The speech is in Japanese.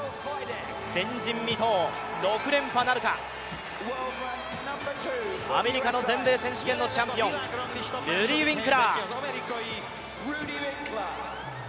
前人未到、６連覇なるか、アメリカの全米選手権のチャンピオン、ルディー・ウィンクラー。